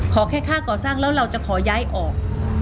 ขอแค่ค่าก่อสร้างแล้วเราจะขอย้ายออก